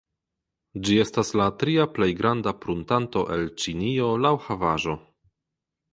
Ĝi estas la tria plej granda pruntanto el Ĉinio laŭ havaĵo.